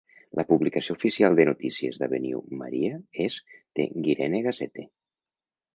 La publicació oficial de notícies d'Avenue Maria és "The Gyrene Gazette".